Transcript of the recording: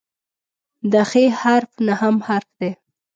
د "خ" حرف نهم حرف دی.